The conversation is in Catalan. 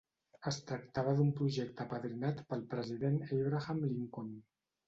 Es tractava d'un projecte apadrinat pel president Abraham Lincoln.